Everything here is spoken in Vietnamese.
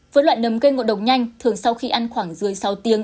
với loại nấm cây ngộ độc nhanh thường sau khi ăn khoảng dưới sáu tiếng